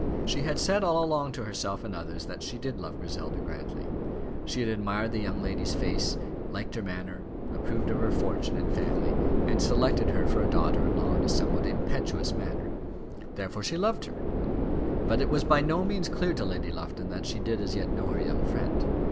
She had said all along to herself and others that she did love Griselda Grantly. She had admired the young lady's face, liked her manner, approved of her fortune and family, and had selected her for a daughter in law in a somewhat impetuous manner. Therefore she loved her. But it was by no means clear to Lady Lufton that she did as yet know her young friend.